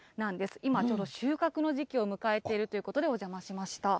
今、ちょうど収穫の時期を迎えているということで、お邪魔しました。